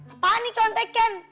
apaan nih contekan